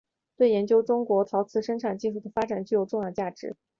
对研究中国的陶瓷生产技术的发展具有重要的价值。